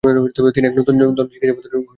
তিনি এক নতুন ধরনের চিকিৎসা পদ্ধতির উদ্ভাবন করেন।